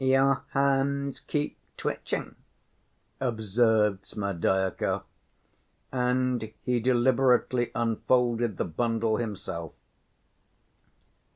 "Your hands keep twitching," observed Smerdyakov, and he deliberately unfolded the bundle himself.